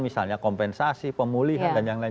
misalnya kompensasi pemulihan dan yang lain